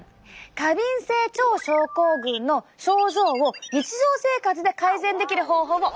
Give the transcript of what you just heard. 過敏性腸症候群の症状を日常生活で改善できる方法を教えて！